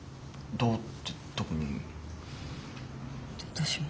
私も。